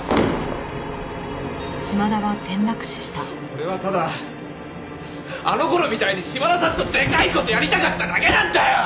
俺はただあの頃みたいに島田さんとでかい事やりたかっただけなんだよ！